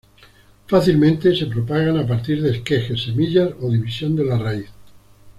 Fácilmente se propagan a partir de esquejes, semillas o división de la raíz.